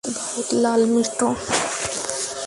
ভারত লাল, মৃত।